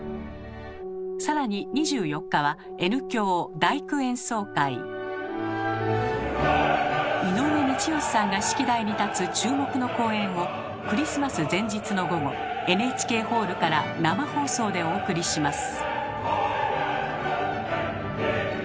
更に井上道義さんが指揮台に立つ注目の公演をクリスマス前日の午後ＮＨＫホールから生放送でお送りします。